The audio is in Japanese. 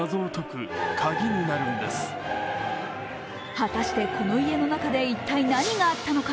果たして、この家の中で一体何があったのか？